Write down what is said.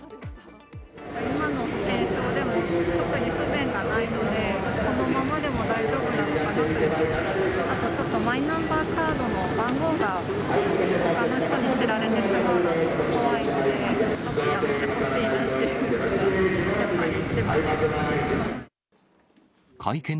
今の保険証でも特に不便がないので、このままでも大丈夫なのかなと、あとちょっとマイナンバーカードの番号が、ほかの人に知られてしまうのがちょっと怖いので、やめてほしいなっていうのが、やっぱり一番ですかね。